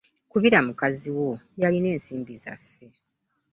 Kubira mukazi wo y'alina ensimbi zaffe.